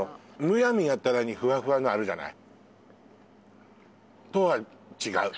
むやみやたらにフワフワのあるじゃないとは違う